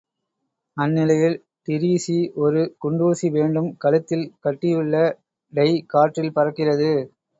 அந்நிலையில் டிரீஸி ஒரு குண்டுசி வேண்டும் கழுத்தில் கட்டியுள்ள டை காற்றில் பறக்கிறது.